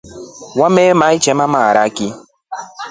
Umema endema maharaki.